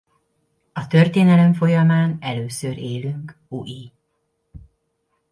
A történelem folyamán először élünk ui.